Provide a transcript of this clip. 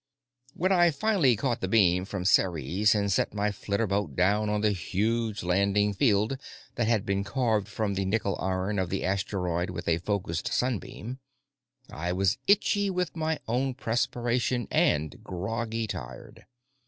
When I finally caught the beam from Ceres and set my flitterboat down on the huge landing field that had been carved from the nickel iron of the asteroid with a focused sun beam, I was itchy with my own perspiration and groggy tired.